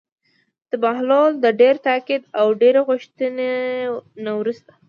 د بهلول د ډېر تاکید او ډېرې غوښتنې نه وروسته.